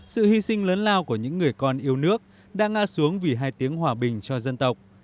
sự hy sinh lớn lao của những người con yêu nước đã ngã xuống vì hai tiếng hòa bình cho dân tộc